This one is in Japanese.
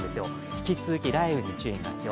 引き続き雷雨に注意が必要。